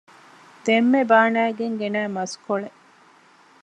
ދެންމެ ބާނައިގެން ގެނައި މަސްކޮޅެއް